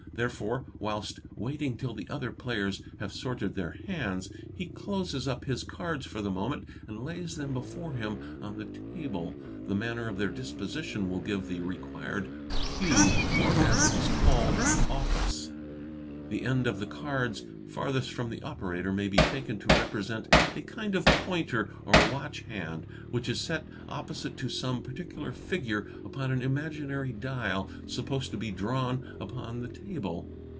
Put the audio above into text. Therefore, whilst waiting till the other players have sorted their hands, — he closes up his cards for the moment, and lays them before him on the table. The manner of their disposition will give the required cue, or, as it is called, "office". The end of the cards farthest from the operator may be taken to represent a kind of pointer or watch hand, which is set opposite to some particular figure upon an imaginary dial, supposed to be drawn upon the table.